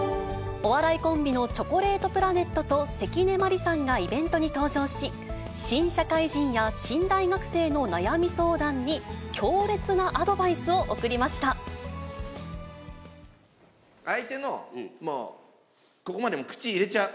お笑いコンビのチョコレートプラネットと、関根麻里さんがイベントに登場し、新社会人や新大学生の悩み相談に、相手の、もうここまで口入れちゃう。